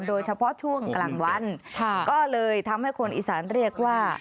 โดยเฉพาะช่วงกลางวันก็เลยทำให้คนอีสานเรียกว่า